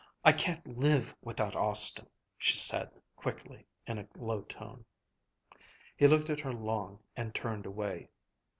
"I can't live without Austin," she said quickly, in a low tone. He looked at her long, and turned away.